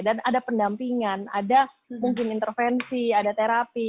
dan ada pendampingan ada mungkin intervensi ada terapi